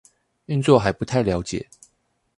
運作還不太了解